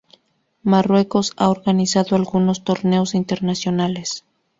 Marruecos ha organizado algunos torneos internacionales.